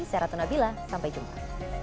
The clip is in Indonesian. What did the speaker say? saya ratu nabila sampai jumpa